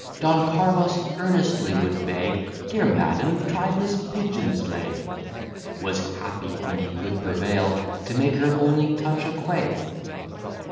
Don Carlos earnestly would beg, "Dear Madam, try this pigeon's leg;" Was happy, when he could prevail To make her only touch a quail.